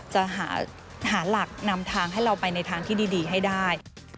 จะหาหลักนำทางให้เราไปในทางที่ดีให้ได้